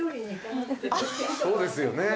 そうですよね。